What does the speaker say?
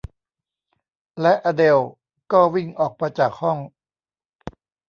และอเดลก็วิ่งออกมาจากห้อง